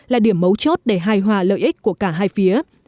là điểm mấu chốt để hài hòa lợi ích của cả hai phía